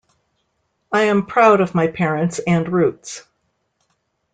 I am proud of my parents and roots".